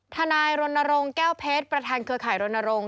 ทนายรณรงค์แก้วเพชรประธานเครือข่ายรณรงค